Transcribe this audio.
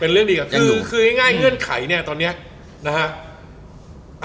เรื่องดีกับท่านคือคือง่ายเงื่อนไขเนี่ยตอนเนี้ยนะฮะ